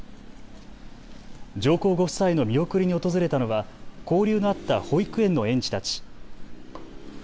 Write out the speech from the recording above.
上皇ご夫妻の見送りに訪れたのは交流のあった保育園の園児たち。